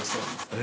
え？